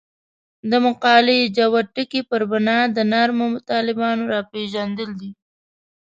د مقالې جوت ټکی پر بنا د نرمو طالبانو راپېژندل دي.